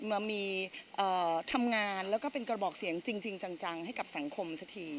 มามีทำงานแล้วก็เป็นกระบอกเสียงจริงจังให้กับสังคมสักที